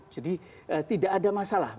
jadi tidak ada masalah